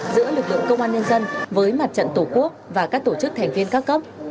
giữa lực lượng công an nhân dân với mặt trận tổ quốc và các tổ chức thành viên các cấp